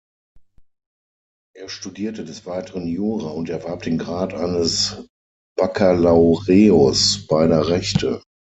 Er studierte des Weiteren Jura und erwarb den Grad eines Baccalaureus beider Rechte.